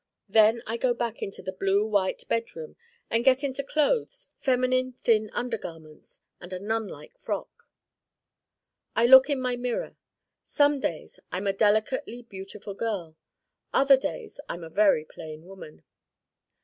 Then I go back into the blue white bed room and get into clothes, feminine thin under garments and a nunlike frock. I look in my mirror. Some days I'm a delicately beautiful girl. Other days I'm a very plain woman.